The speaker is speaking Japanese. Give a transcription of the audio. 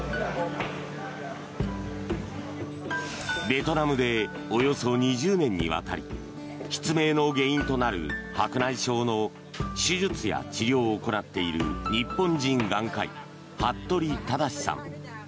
ベトナムでおよそ２０年にわたり失明の原因となる白内障の手術や治療を行っている日本人眼科医服部匡志さん。